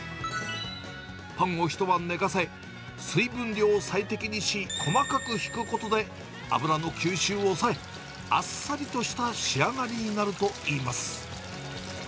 パンを一晩寝かせ、水分量を最適にし、細かくひくことで、油の吸収を抑え、あっさりとした仕上がりになるといいます。